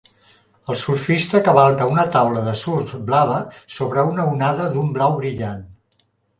El surfista cavalca una taula de surf blava sobre una onada d'un blau brillant.